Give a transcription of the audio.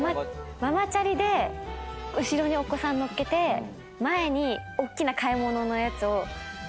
ママチャリで後ろにお子さん乗っけて前におっきな買い物のやつを。